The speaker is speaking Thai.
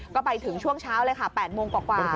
ก็ไปถึงช่วงเช้าเลยค่ะ๘โมงกว่า